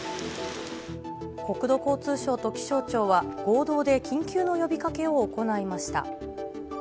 国土交通省と気象庁は合同で緊急の呼びかけを行いました。